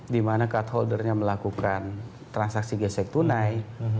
dimana card holdernya melakukan transaksi gesek tunai